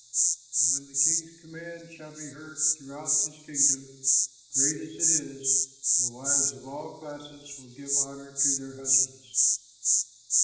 And when the king's command shall be heard throughout his kingdom great as it is the wives of all classes will give honor to their husbands!"